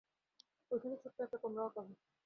ঐখানে, ছোট্ট একটা তোমরাও পাবে!